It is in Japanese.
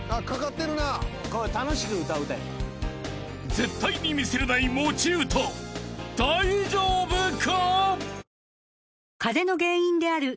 ［絶対にミスれない持ち歌大丈夫か？］